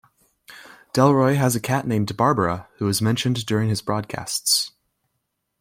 Delroy has a cat named Barbara, who was mentioned during his broadcasts.